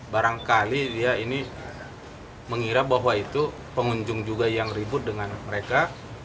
barangkali dia ini mengira bahwa itu pengunjung juga yang ribut dengan mereka